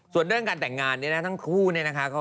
แต่งงานเนี่ยนะทั้งคู่เนี่ยนะคะ